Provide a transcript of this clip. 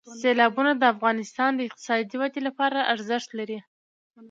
سیلابونه د افغانستان د اقتصادي ودې لپاره ارزښت لري.